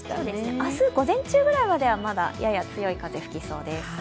明日午前中くらいまではやや強い風が吹きそうです。